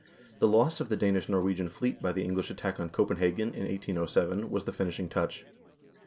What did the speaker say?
The loss of the Danish Norwegian fleet by the English attack on Copenhagen, in 1807, was the finishing touch.